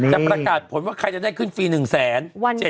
จะประกาศผลว่าใครจะได้ขึ้นฟรี๑แสน